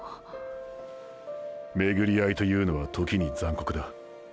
巡りあいというのは時に残酷だ。